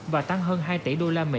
và tăng hơn hai tỷ usd